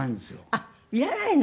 あっいらないの？